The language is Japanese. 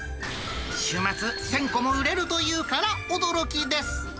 週末、１０００個も売れるというから驚きです。